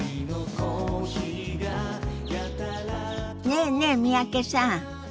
ねえねえ三宅さん。